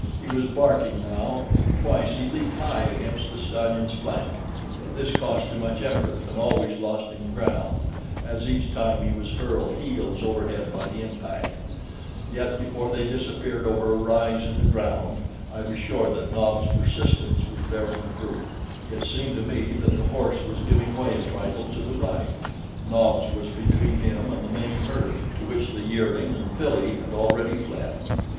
He was barking now, and twice he leaped high against the stallion's flank; but this cost too much effort and always lost him ground, as each time he was hurled heels over head by the impact; yet before they disappeared over a rise in the ground I was sure that Nobs' persistence was bearing fruit; it seemed to me that the horse was giving way a trifle to the right. Nobs was between him and the main herd, to which the yearling and filly had already fled.